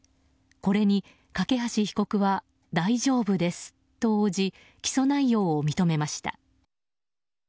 これに梯被告は大丈夫ですと応じ起訴内容を認めました。